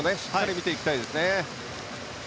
見ていきたいですね。